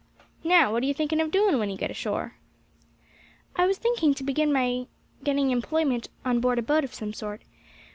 Now, what are you thinking of doing when you get ashore?" "I was thinking to begin by getting employment on board a boat of some sort.